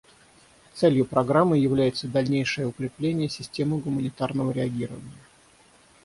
Целью программы является дальнейшее укрепление системы гуманитарного реагирования.